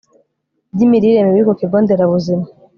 by'imirire mibi ku kigo nderabuzima